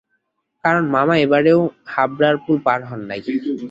কারণ, মামা এবারেও হাবড়ার পুল পার হন নাই।